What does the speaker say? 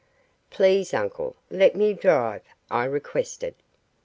"Please, uncle, let me drive," I requested.